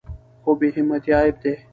خو بې همتي عیب دی.